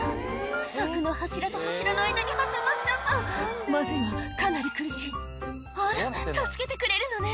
「柵の柱と柱の間に挟まっちゃった」「まずいなかなり苦しい」「あら助けてくれるのね」